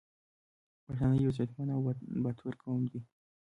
پښتانه یو غریتمند او باتور قوم دی